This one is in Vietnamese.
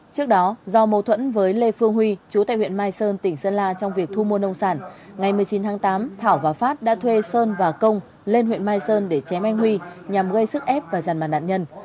trước đó do mâu thuẫn với lê phương huy chú tại huyện mai sơn tỉnh sơn la trong việc thu mua nông sản ngày một mươi chín tháng tám thảo và phát đã thuê sơn và công lên huyện mai sơn để chém anh huy nhằm gây sức ép và giàn mặt nạn nhân